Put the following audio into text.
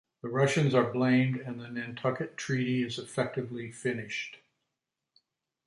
The Russians are blamed and the Nantucket Treaty is effectively finished.